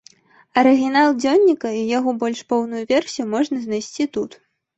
Арыгінал дзённіка і яго больш поўную версію можна знайсці тут.